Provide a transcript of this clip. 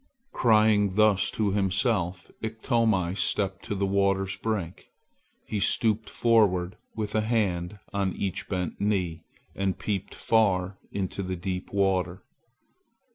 Crying thus to himself, Iktomi stepped to the water's brink. He stooped forward with a hand on each bent knee and peeped far into the deep water.